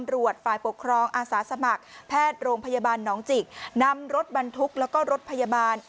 โรงพยาบาลน้องจิกนำรถบรรทุกแล้วก็รถพยาบาล